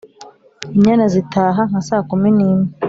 Inyana zitaha (nka saa kumi n'imwe)